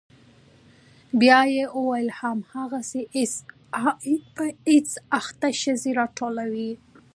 بيا يې وويل همدغه آى اس آى په ايډز اخته ښځې راټولوي.